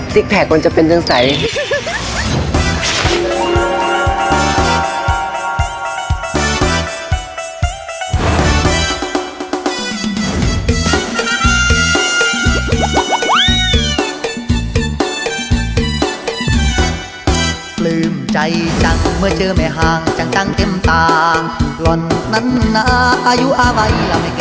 แพคมันจะเป็นเรื่องใส